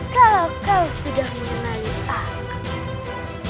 kalau kau sudah mengenali aku